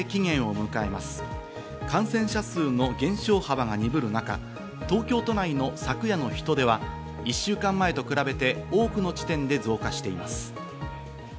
感染者数の減少幅が鈍る中東京都内の昨夜の人出は１週間前と比べて多くの地点で増加しています。